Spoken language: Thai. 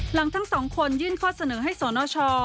หลังทั้งสองคนยื่นข้อเสนอให้สนช